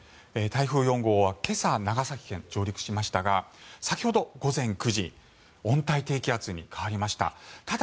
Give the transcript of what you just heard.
台風４号は今朝、長崎県に上陸しましたが先ほど午前９時温帯低気圧に変わりました。